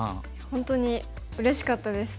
本当にうれしかったです。